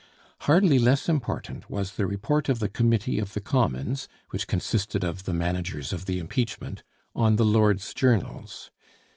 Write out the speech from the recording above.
Hardly less important was the report of the Committee of the Commons (which consisted of the managers of the impeachment) on the Lords' journals.